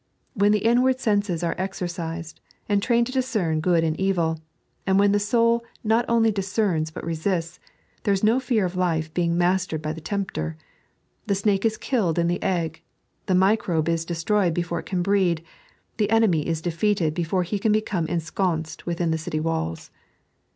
When the inward senses are e:cercised, and trained to discern good and evil, and when the soul not only discerns but resists, there is no fear of the life being mastered by the tempter. The snake is killed in the egg ; the microbe is destroyed before it can breed ; the enemy is defeated before he can become ensconced within the city walls.